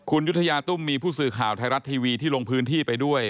คุณยุธยาตุ้มมีผู้สื่อข่าวไทยรัฐทีวีที่ลงพื้นที่ไปด้วย